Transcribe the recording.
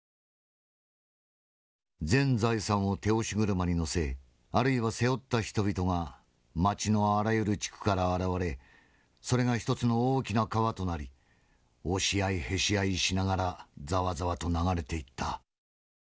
「全財産を手押し車に載せあるいは背負った人々が街のあらゆる地区から現れそれが一つの大きな川となり押し合いへし合いしながらざわざわと流れていった。